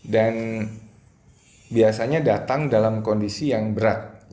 dan biasanya datang dalam kondisi yang berat